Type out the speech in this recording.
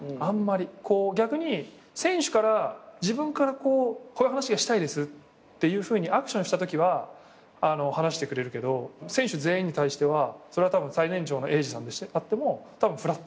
逆に選手から自分からこういう話がしたいですっていうふうにアクションしたときは話してくれるけど選手全員に対してはそれは最年長の永嗣さんであってもたぶんフラット。